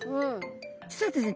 実はですね